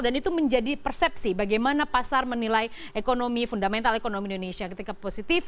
itu menjadi persepsi bagaimana pasar menilai ekonomi fundamental ekonomi indonesia ketika positif